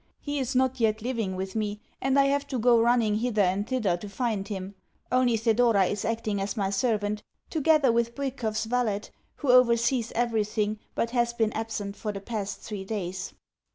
He is not yet living with me, and I have to go running hither and thither to find him. Only Thedora is acting as my servant, together with Bwikov's valet, who oversees everything, but has been absent for the past three days.